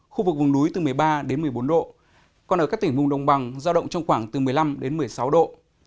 khu vực vùng núi từ một mươi ba đến một mươi bốn độ còn ở các tỉnh vùng đồng bằng giao động trong khoảng từ một mươi năm đến một mươi sáu độ